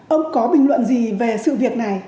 ông có bình luận gì về sự việc này